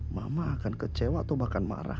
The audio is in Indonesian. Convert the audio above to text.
mama akan kecewa atau makan marah